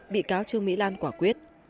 bị cáo trương mỹ lan quả quyết